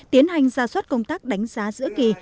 tiến hành ra soát công tác đánh giá giữa kỳ